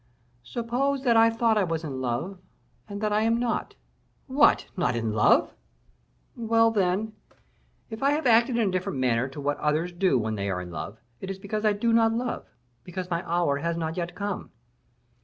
"Suppose that I thought I was in love, and that I am not." "What! not in love!" "Well, then! if I have acted in a different manner to what others do when they are in love, it is because I do not love; and because my hour has not yet come."